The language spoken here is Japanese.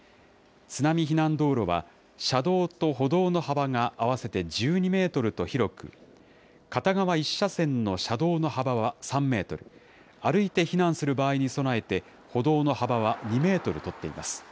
津波避難道路は、車道と歩道の幅が合わせて１２メートルと広く、片側１車線の車道の幅は３メートル、歩いて避難する場合に備えて、歩道の幅は２メートルとっています。